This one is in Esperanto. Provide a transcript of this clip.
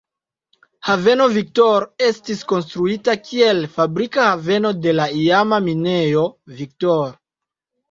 Haveno Victor estis konstruita kiel fabrika haveno de la iama Minejo Victor.